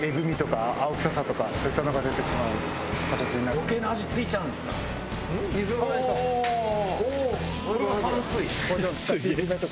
余計な味付いちゃうんですか。